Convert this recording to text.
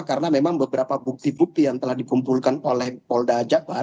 karena memang beberapa bukti bukti yang telah dikumpulkan oleh polda jabbar